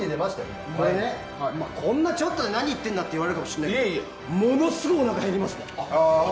でも、こんなちょっとで何言ってんだって思われるかもしれませんがものすごいおなか減りました！